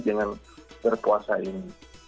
dengan berpuasa ini